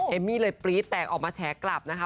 เอมมี่เลยปรี๊ดแตกออกมาแฉกลับนะคะ